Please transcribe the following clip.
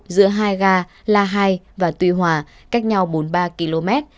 giữa hai ga la hai và tuy hòa cách nhau bốn mươi ba km